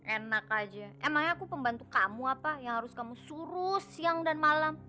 enak aja emangnya aku pembantu kamu apa yang harus kamu suruh siang dan malam